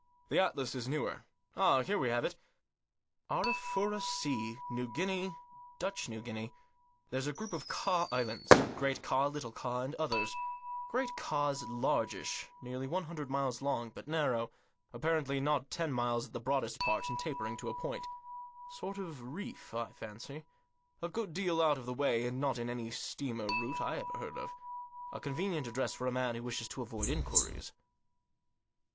The atlas is newer. Ah ! here we have it. Arafura Sea — New Guinea — Dutch New Guinea. There's a group of Ka Islands — Great Ka, Little Ka, and others. Great Ka's largish, nearly one hundred miles long, but narrow ; apparently not ten miles at the broadest part, and tapering to a point. Sort of reef, I fancy. A good deal out of the way, and not in any steamer route I ever heard of. A convenient address for a man who wishes to avoid inquiries."